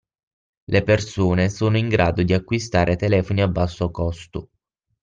Le persone sono in grado di acquistare telefoni a basso costo